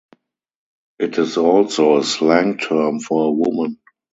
It is also a slang term for a woman.